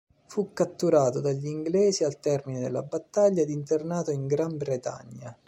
Fu catturato dagli inglesi al termine della battaglia ed internato in Gran Bretagna.